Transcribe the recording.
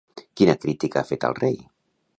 Quina crítica ha fet al rei?